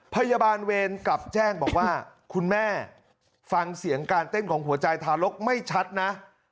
พยาบาลเวรกลับแจ้งบอกว่าคุณแม่ฟังเสียงการเต้นของหัวใจทารกไม่ชัดนะ